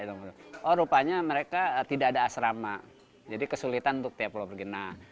oh rupanya mereka tidak ada asrama jadi kesulitan untuk tiap pulau bergena